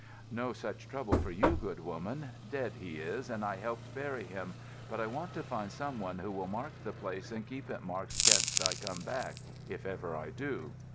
"No such trouble for you, good woman. Dead he is, and I helped bury him. But I want to find someone who will mark the place and keep it marked 'gainst I come back—if ever I do."